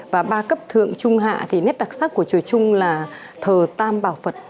và ba cấp thượng trung hạ thì nét đặc sắc của chùa chung là thờ tam bảo phật